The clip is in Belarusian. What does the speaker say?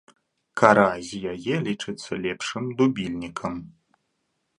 Кара з яе лічыцца лепшым дубільнікам.